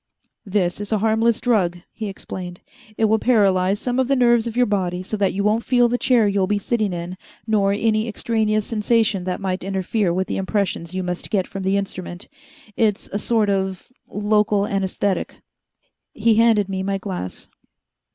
"This is a harmless drug," he explained. "It will paralyze some of the nerves of your body so that you won't feel the chair you'll be sitting in nor any extraneous sensation that might interfere with the impressions you must get from the instrument. It's a sort of local anesthetic." He handed me my glass.